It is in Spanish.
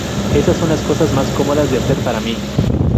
Esas son las cosas más cómodas de hacer para mi.